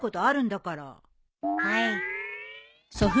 はい。